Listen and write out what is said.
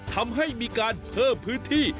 ทำให้มีการเพิ่มพื้นที่